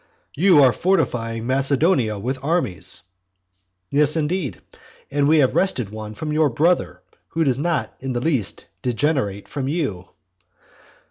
"You are fortifying Macedonia with armies". Yes, indeed, and we have wrested one from your brother, who does not in the least degenerate from you.